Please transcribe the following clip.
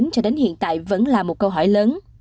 cho đến hiện tại vẫn là một câu hỏi lớn